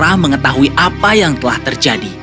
dia marah mengetahui apa yang telah terjadi